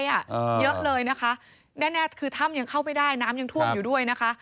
เยอะเลยนะคะแน่คือถ้ำยังเข้าไปได้น้ำยังท่วมอยู่ด้วยนะคะ